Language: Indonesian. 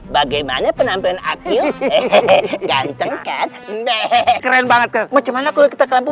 bagaimana penampilan aku ganteng keren banget kek macam mana aku kita kelampu